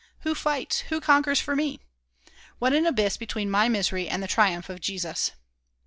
Who fights, who conquers for me? What an abyss between my misery and the triumph of Jesus!"